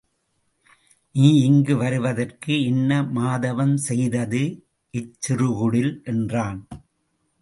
நீ இங்கு வருவதற்கு என்ன மாதவம் செய்தது இச்சிறுகுடில்! என்றான்.